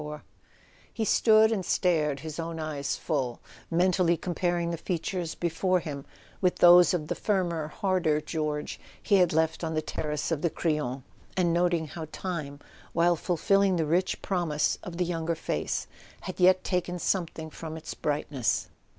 [ 58 ] A SON AT THE FRONT He stood and stared his own eyes full, mentally comparing the features before him with those of the firmer harder George he had left on the terrace of the Crillon, and noting how time, while fulfilling the rich promise of the younger face, had yet taken something from its brightness.